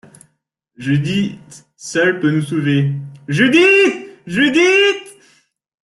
Judith seule peut nous sauver, Judith, Judith !